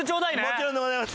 もちろんでございます。